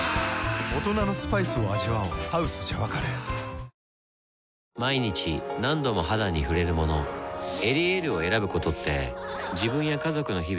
しかし、毎日何度も肌に触れるもの「エリエール」を選ぶことって自分や家族の日々を愛することなんだなぁ